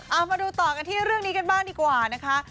เอามาดูต่อกันที่เรื่องนี้กันบ้างดีกว่านะคะ